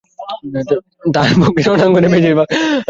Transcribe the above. তার পক্ষে রণাঙ্গনে বেশিক্ষণ ঘোরাফেরা করা সম্ভব ছিল না।